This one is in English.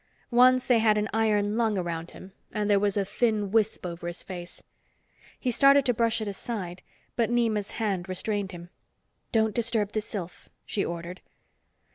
Once they had an iron lung around him and there was a thin wisp over his face. He started to brush it aside, but Nema's hand restrained him. "Don't disturb the sylph," she ordered.